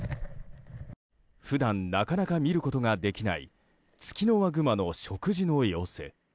普段なかなか見ることができないツキノワグマの食事の様子。